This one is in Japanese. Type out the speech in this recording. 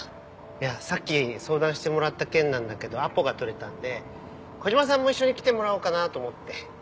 いやさっき相談してもらった件なんだけどアポが取れたんで小島さんも一緒に来てもらおうかなと思って。